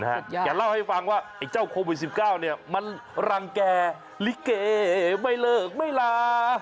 แกเล่าให้ฟังว่าไอ้เจ้าโควิด๑๙เนี่ยมันรังแก่ลิเกไม่เลิกไม่ลา